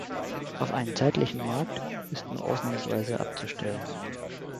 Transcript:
Auf einen zeitlichen Markt ist nur ausnahmsweise abzustellen.